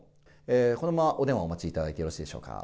このままお電話をお待ちいただいてよろしいでしょうか。